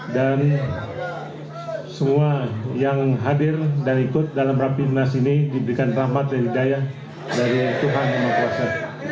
dan semua yang hadir dan ikut dalam raffi nas ini diberikan rahmat dan hidayah dari tuhan dan kuasa